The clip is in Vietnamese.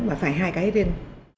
mà phải hai cái riêng